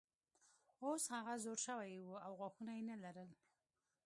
اوس هغه زوړ شوی و او غاښونه یې نه لرل.